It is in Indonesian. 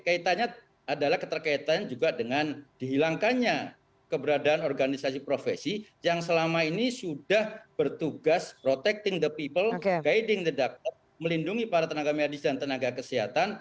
kaitannya adalah keterkaitan juga dengan dihilangkannya keberadaan organisasi profesi yang selama ini sudah bertugas protecting the people guiding the doctor melindungi para tenaga medis dan tenaga kesehatan